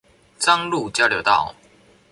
彰鹿交流道